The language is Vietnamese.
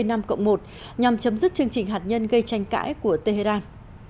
nhằm chấm dứt chương trình hạt nhân gây tranh cãi của tehran